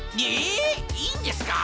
いいんです！